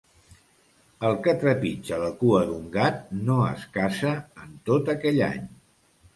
El que trepitja la cua d'un gat no es casa en tot aquell any.